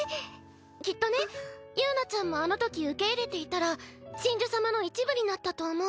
きっとね友奈ちゃんもあのとき受け入れていたら神樹様の一部になったと思う。